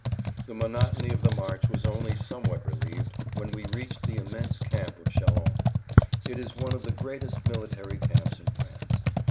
The monotony of the march was only somewhat relieved when we reached the immense camp of Châlons. It is one of the greatest[Pg 84] military camps in France.